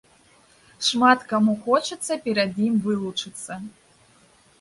Шмат каму хочацца перад ім вылучыцца.